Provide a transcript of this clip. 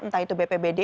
entah itu bpjs atau bpd